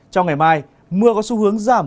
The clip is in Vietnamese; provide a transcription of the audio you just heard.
trong ngày mai mưa có xu hướng giảm